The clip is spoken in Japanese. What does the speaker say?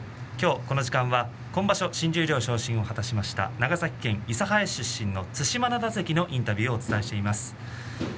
この時間は今場所新十両昇進を果たしました長崎県諫早市出身の對馬洋関のインタビューをお伝えしています。